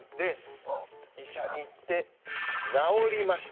医者に行って治りました。